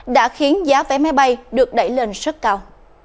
đã khiến giá vé máy bay được đẩy lên rất cao